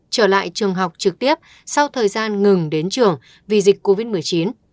trở lại trường học trực tiếp sau thời gian ngừng đến trường vì dịch covid một mươi chín